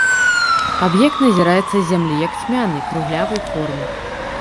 Аб'ект назіраецца з зямлі як цьмяны, круглявай формы.